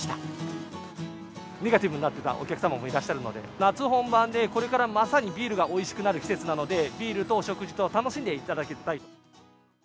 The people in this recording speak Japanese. ネガティブになっていたお客様もいらっしゃるので、夏本番で、これからまさにビールがおいしくなる季節なので、ビールとお食事